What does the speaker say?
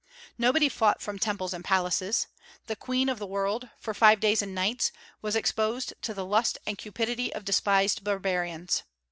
Nobody fought from temples and palaces. The queen of the world, for five days and nights, was exposed to the lust and cupidity of despised barbarians.